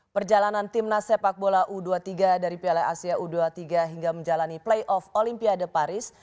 perjalanan timnas sepak bola u dua puluh tiga dari piala asia u dua puluh tiga hingga menjalani playoff olimpiade paris